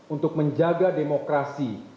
untuk menjaga demokrasi